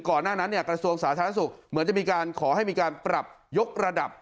หน้านั้นเนี่ยกระทรวงสาธารณสุขเหมือนจะมีการขอให้มีการปรับยกระดับ